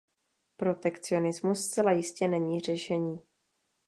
Protekcionismus zcela jistě není řešení.